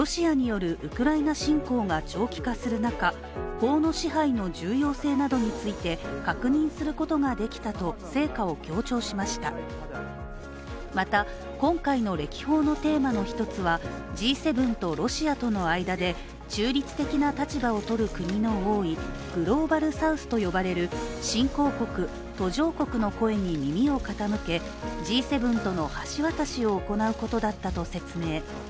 法の支配の重要性などについて確認することができたとまた、今回の歴訪のテーマの１つはＧ７とロシアとの間で中立的な立場をとる国の多いグローバルサウスと呼ばれる新興国・途上国の声に耳を方向けＧ７との橋渡しを行うことだったと説明。